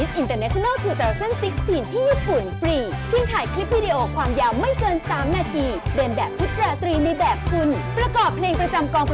ซึ่งเราเรียกว่ามากไปด้วยซ้ำ